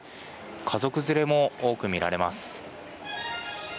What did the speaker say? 家族連れも多く見られます。